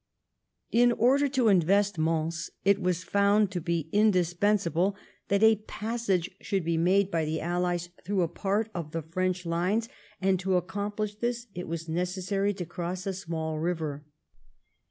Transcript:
In order to invest Mons it was found to be indis pensable that a passage should be made by the Allies through a part of the French lines, and to accom plish this it was necessary to cross a small river.